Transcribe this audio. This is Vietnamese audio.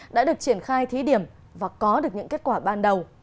đã được triển khai thí điểm và có được những kết quả ban đầu